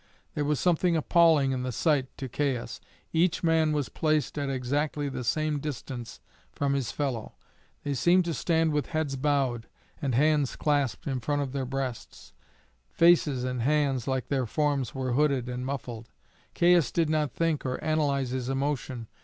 There was something appalling in the sight to Caius. Each man was placed at exactly the same distance from his fellow; they seemed to stand with heads bowed, and hands clasped in front of their breasts; faces and hands, like their forms, were hooded and muffled. Caius did not think, or analyze his emotion.